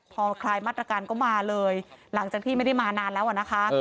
พอคลายมาตรการก็มาเลยหลังจากที่ไม่ได้มานานแล้วนะคะ